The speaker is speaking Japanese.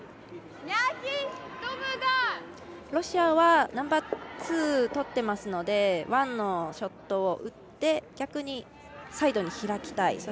ロシアはナンバーツーとってますのでワンのショットを打って逆にサイドに開きたい。